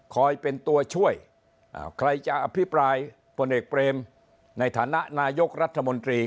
เป็นตัวช่วยใครจะอภิปรายพลเอกเปรมในฐานะนายกรัฐมนตรี